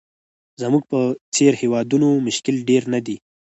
زموږ په څېر هېوادونو مشکل ډېر نه دي.